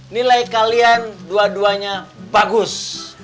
nilai kalian dua duanya bagus